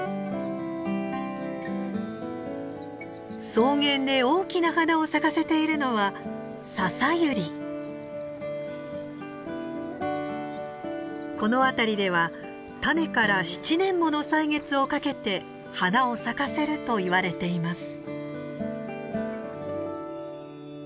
草原で大きな花を咲かせているのはこの辺りでは種から７年もの歳月をかけて花を咲かせるといわれています。